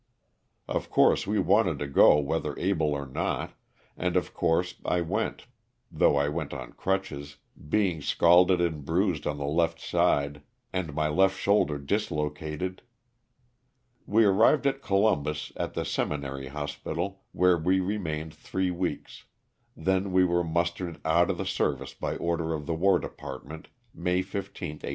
Of course we wanted to go whether able or not, and of course I went though I went on crutches, being scalded and bruised on the left side and my left shoulder dislocated. We arrived at Columbus at the Seminary Hospital where we remained three weeks, then we were mustered out of the service by order of the War Department May 15, 1805.